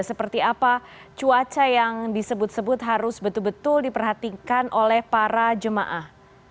seperti apa cuaca yang disebut sebut harus betul betul diperhatikan oleh para jemaah